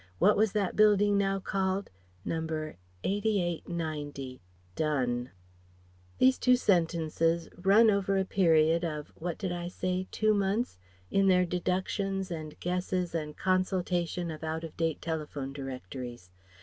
What was that building now called? No. 88 90." Done. These two sentences run over a period of what did I say? Two months? in their deductions and guesses and consultation of out of date telephone directories.